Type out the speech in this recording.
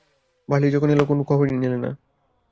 Barley যখন এল কোনো খবরই নিলে না।